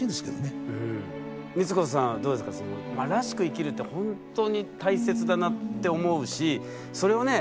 生きるってほんとに大切だなって思うしそれをね